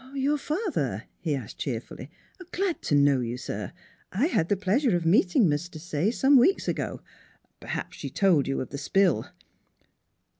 " Your father? " he asked cheerfully. " Glad to know you, sir. I had the pleasure of meeting Miss Desaye some weeks ago. ... Perhaps she told you of the spill."